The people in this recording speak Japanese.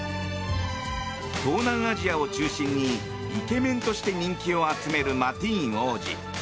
東南アジアを中心にイケメンとして人気を集めるマティーン王子。